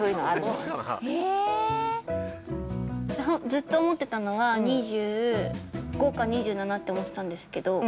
◆ええっずっと思ってたのは、２５歳か２７歳って思ってたんですけど。